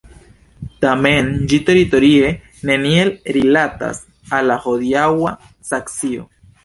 Tamen ĝi teritorie neniel rilatas al la hodiaŭa Saksio.